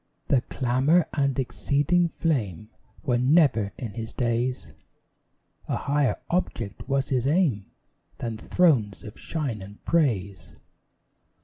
The clamour and exceeding flame Were never in his days: A higher object was his aim Than thrones of shine and praise.